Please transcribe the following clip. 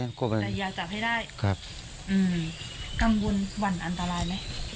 หวั่นกันอันตรายไหม